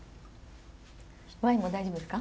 ワインも大丈夫ですか？